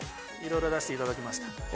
いろいろ出していただきました。